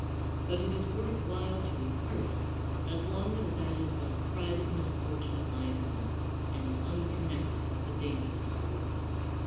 But it is worth while to incur that, 106 CICERO as long as that is but a private misfortune of my own, and is unconnected with the dangers of the republic.